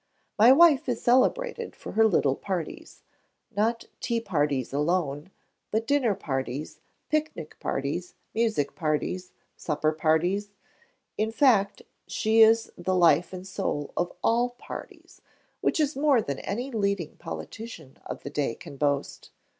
My wife is celebrated for her little parties, not tea parties alone, but dinner parties, pic nic parties, music parties, supper parties in fact, she is vhe life and soul of ALL PARTIES, which is more than any leading politician of the day can boast.